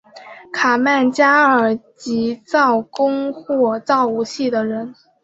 卡曼加尔即造弓或造武器的人。